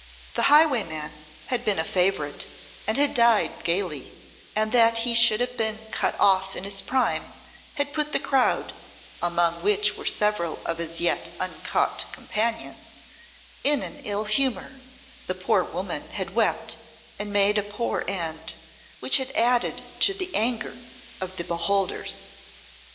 The highwayman had been a favourite and had died gaily, and that he should have been cut off in his prime had put the crowd (among which were several of his yet uncaught companions) in an ill humour; the poor woman had wept and made a poor end, which had added to the anger of the beholders.